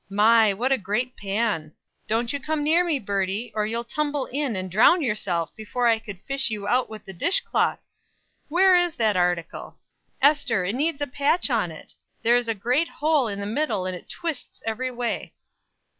My! what a great pan. Don't you come near me, Birdie, or you'll tumble in and drown yourself before I could fish you out with the dish cloth. Where is that article? Ester, it needs a patch on it; there's a great hole in the middle, and it twists every way."